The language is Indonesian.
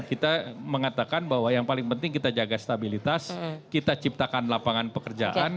kita mengatakan bahwa yang paling penting kita jaga stabilitas kita ciptakan lapangan pekerjaan